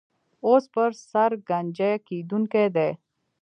اوس پر سر ګنجۍ کېدونکی دی.